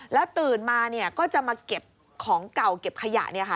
แล้วตื่นมาก็จะมาเก็บของเก่าเก็บขยะนี่ค่ะ